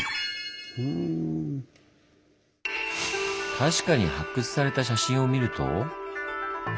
確かに発掘された写真を見ると。